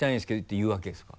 て言うわけですか？